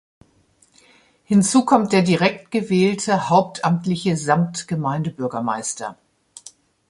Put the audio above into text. Hinzu kommt der direkt gewählte hauptamtliche Samtgemeindebürgermeister.